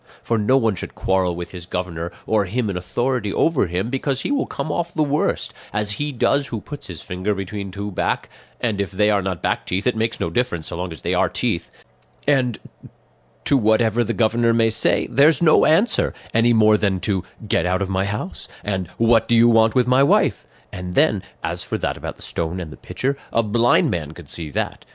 For no one should quarrel with his governor, or him in authority over him, because he will come off the worst, as he does who puts his finger between two back and if they are not back teeth it makes no difference, so long as they are teeth; and to whatever the governor may say there's no answer, any more than to 'get out of my house' and 'what do you want with my wife?' and then, as for that about the stone and the pitcher, a blind man could see that.